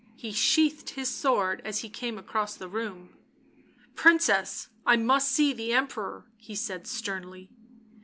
He sheathed his sword as he came across the room. " Princess, I must see the Emperor," he said sternly.